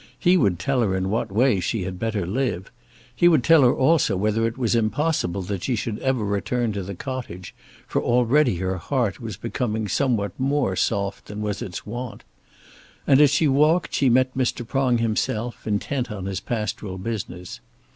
He would tell her in what way she had better live. He would tell her also whether it was impossible that she should ever return to the cottage, for already her heart was becoming somewhat more soft than was its wont. And as she walked she met Mr. Prong himself, intent on his pastoral business.